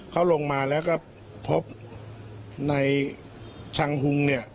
เขาลงมาแล้วก็พบในชังฮุงเนี่ย